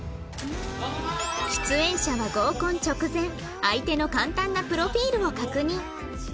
出演者は合コン直前相手の簡単なプロフィールを確認